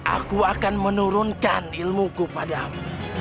aku akan menurunkan ilmuku padamu